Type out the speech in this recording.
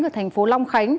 ở thành phố long khánh